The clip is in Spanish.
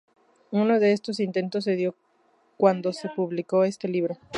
Uno de estos intentos se dio cuando se publicó este libro.